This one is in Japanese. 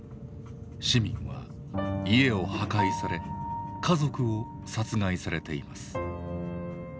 市民は家を破壊され家族を殺害されています。